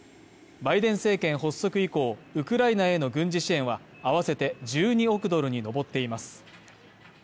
バイデン政権発足以降、ウクライナへの軍事支援は合わせて１２億ドルに上っています。